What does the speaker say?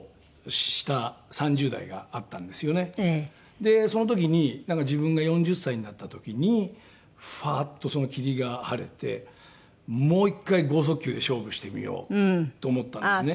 でその時になんか自分が４０歳になった時にファーッとその霧が晴れてもう一回豪速球で勝負してみようと思ったんですね。